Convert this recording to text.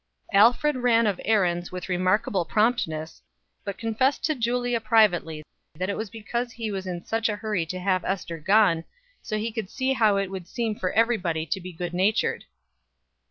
Alfred ran of errands with remarkable promptness, but confessed to Julia privately that it was because he was in such a hurry to have Ester gone, so he could see how it would seem for everybody to be good natured.